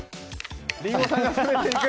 リンゴさんが攻めていく。